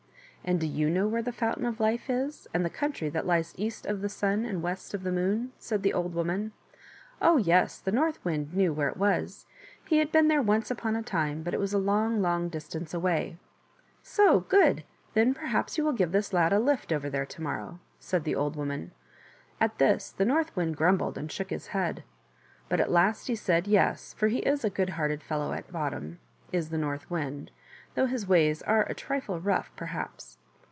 " And do you know where the Fountain of Life is, and the country that lies east of the Sun and west of the Moon ?" said the old woman. Oh, yes, the North Wind knew where it was. He had been there once upon a time, but it was a long, long distance away. " So ; good ! then perhaps you will give this lad a lift over there to morrow," said the old woman. At this the North Wind grumbled and shook his head ; but at last he said " yes," for he is a good hearted fellow at bottom, is the North Wind, though his ways are a trifle rough perhaps.